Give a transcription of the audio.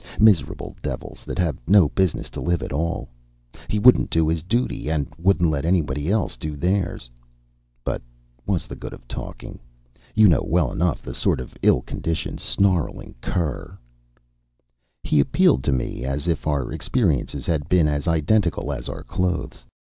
Miserable devils that have no business to live at all. He wouldn't do his duty and wouldn't let anybody else do theirs. But what's the good of talking! You know well enough the sort of ill conditioned snarling cur " He appealed to me as if our experiences had been as identical as our clothes.